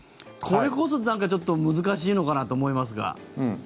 これこそちょっと難しいのかなと思いますが。